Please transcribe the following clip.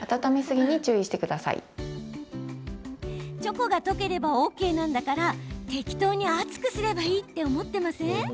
チョコが溶ければＯＫなんだから適当に熱くすればいいって思ってません？